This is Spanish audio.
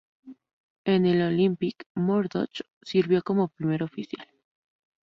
En el "Olympic", Murdoch sirvió como primer oficial.